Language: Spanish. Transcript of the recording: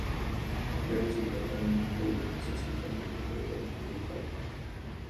Luego se trasladan a un pueblo donde se hacen cargo del periódico local.